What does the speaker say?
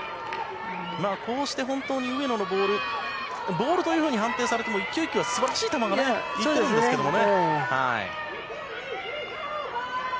上野のボールがボールというふうに判定されても１球１球は素晴らしい球がいっているんですけどね。